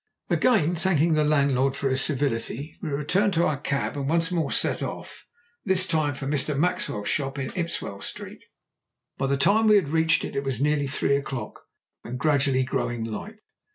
Again thanking the landlord for his civility, we returned to our cab and once more set off, this time for Mr. Maxwell's shop in Ipswell Street. By the time we reached it it was nearly three o'clock, and gradually growing light.